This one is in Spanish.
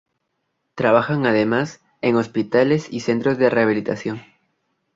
Trabajan además en hospitales y centros de rehabilitación.